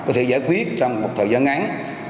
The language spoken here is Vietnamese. các khách hàng có thể giải quyết trong một thời gian ngắn